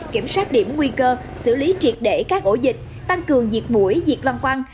kiểm soát điểm nguy cơ xử lý triệt để các ổ dịch tăng cường diệt mũi diệt loang quăng